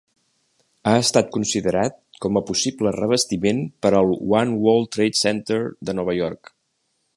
Ha estat considerat com a possible revestiment per al One World Trade Center de Nova York.